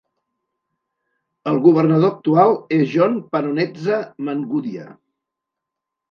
El governador actual és John Panonetsa Mangudya.